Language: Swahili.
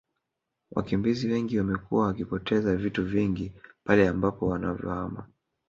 Wakimbizi wengi wamekuwa wakipoteza vitu vingi pale ambapo wanavyohama